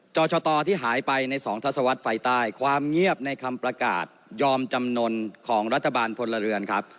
จชตที่หายไปใน๒ทัศวรรษไฟใต้ความเงียบในคำประกาศยอมจำนวนของรัฐบาลพลเรือนครับ